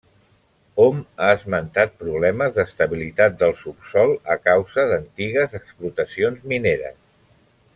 Hom ha esmentat problemes d'estabilitat del subsòl a causa d'antigues explotacions mineres.